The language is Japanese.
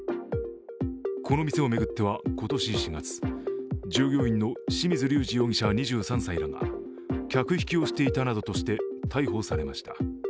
この店を巡っては、今年４月、従業員の清水竜二容疑者２３歳らが客引きをしていたなどとして逮捕されました。